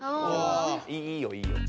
いいよいいよ。